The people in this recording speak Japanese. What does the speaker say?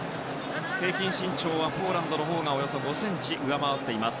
平均身長はポーランドのほうがおよそ５ｃｍ上回っています。